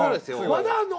まだあんの？